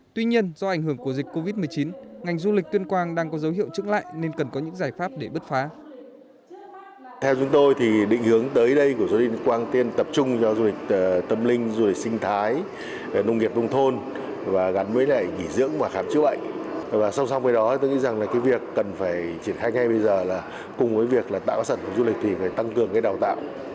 tuy nhiên do ảnh hưởng của dịch covid một mươi chín ngành du lịch tuyên quang đang có dấu hiệu trứng lại nên cần có những giải pháp để bứt phá